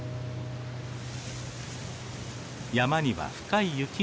山には深い雪が積もる